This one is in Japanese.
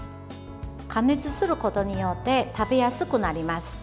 加熱することによって食べやすくなります。